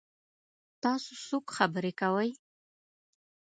تاسو څوک خبرې کوئ؟